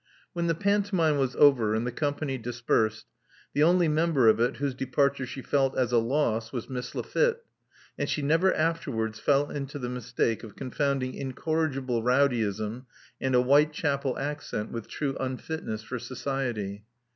When the pantomime was over, and the company dispersed, the only member of it whose departure she felt as a loss was Miss Lafitte; and she never after wards fell into the mistake of confounding incorrigible rowdyism and a Whitechapel accent with true unfit ness for society.